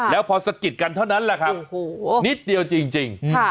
แล้วพอสะกิดกันเท่านั้นแหละครับนิดเดียวจริง